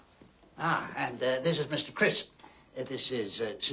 ああ。